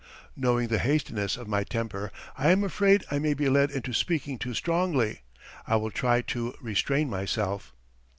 Knowing the hastiness of my temper, I am afraid I may be led into speaking too strongly; I will try to restrain myself.